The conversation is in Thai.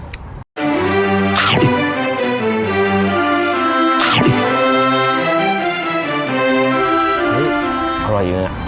อุ๊ยอร่อยอยู่นี่